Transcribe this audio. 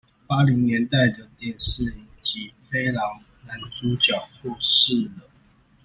八零年代的電視影集《飛狼》男主角過世了